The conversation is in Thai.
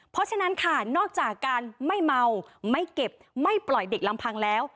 เพราะฉะนั้นค่ะนอกจากการไม่เมาไม่เก็บไม่ปล่อยเด็กลำพังแล้ว